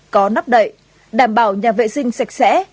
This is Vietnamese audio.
có nắp đậy đảm bảo nhà vệ sinh sạch sẽ